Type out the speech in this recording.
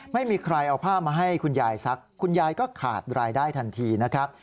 ไม่มีใครเอาผ้ามาให้คุณยายซักคุณยายก็ขาดรายได้ทันทีนะครับ